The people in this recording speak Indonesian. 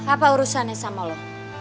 apa urusannya sama lu